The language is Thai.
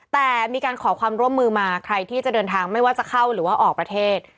แต่มีการขอความร่วมมือมาใครที่จะเดินทางไม่ว่าจะเข้าหรือว่าออกประเทศ